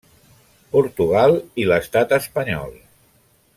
Portugal i l'Estat espanyol.